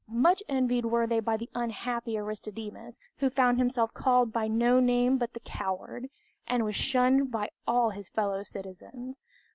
Much envied were they by the unhappy Aristodemus, who found himself called by no name but the "Coward," and was shunned by all his fellow citizens.